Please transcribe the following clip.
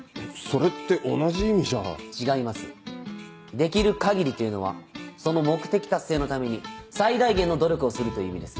「できる限り」というのはその目的達成のために最大限の努力をするという意味です。